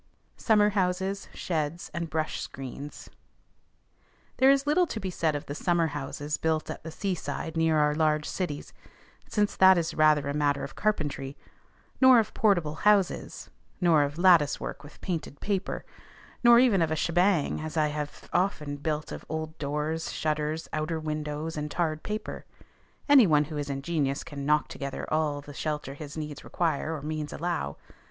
SUMMER HOUSES, SHEDS, AND BRUSH SCREENS. There is little to be said of the summer houses built at the seaside near our large cities, since that is rather a matter of carpentry; nor of portable houses; nor of lattice work with painted paper; nor even of a "schbang" such as I have often built of old doors, shutters, outer windows, and tarred paper: any one who is ingenious can knock together all the shelter his needs require or means allow.